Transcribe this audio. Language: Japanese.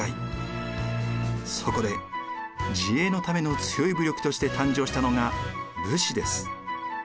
そこで自衛のための強い武力として誕生したのが武士です。